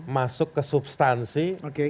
masuk ke substansi